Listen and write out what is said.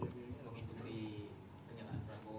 juga menyatakan kemenangan